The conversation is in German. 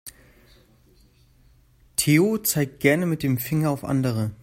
Theo zeigt gerne mit dem Finger auf andere.